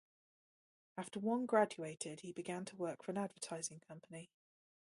After Wong graduated, he began to work for an advertising company.